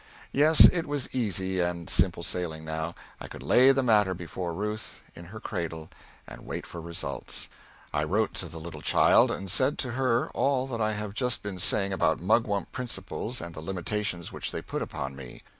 Yes, it was easy and simple sailing now. I could lay the matter before Ruth, in her cradle, and wait for results. I wrote the little child, and said to her all that I have just been saying about mugwump principles and the limitations which they put upon me.